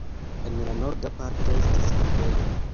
En la norda parto estis kapelo.